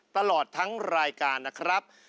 ตลอดทั้งรายการนะครับ